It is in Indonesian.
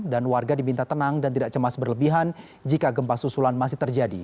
dan warga diminta tenang dan tidak cemas berlebihan jika gempa susulan masih terjadi